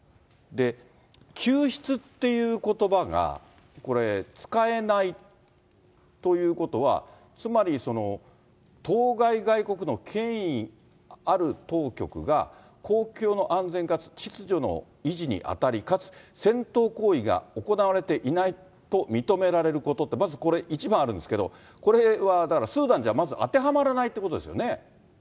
救出っていうことばがこれ、使えないということは、つまり当該外国の権威ある当局が、公共の安全かつ秩序の維持に当たり、かつ戦闘行為が行われていないと認められることって、まずこれ、１があるんですけれども、これは、だからスーダンじゃまず当てはまらないということですよね。